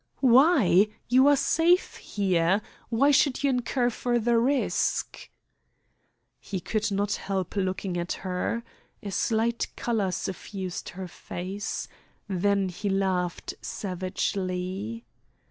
"Why? You are safe here? Why should you incur further risk?" He could not help looking at her. A slight colour suffused her face. Then he laughed savagely.